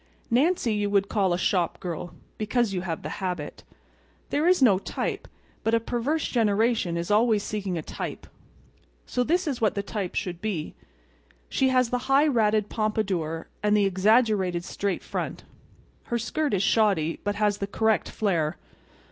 Nancy you would call a shop girl—because you have the habit. There is no type; but a perverse generation is always seeking a type; so this is what the type should be. She has the high ratted pompadour, and the exaggerated straight front. Her skirt is shoddy, but has the correct flare.